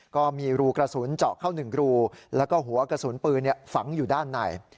ก็มีรูกระสุนเจาะเข้า๑รูแล้วก็หัวกระสุนปืนฝังอยู่ด้านใน